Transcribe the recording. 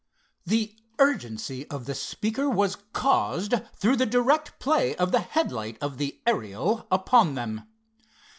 The urgency of the speaker was caused through the direct play of the headlight of the Ariel upon them.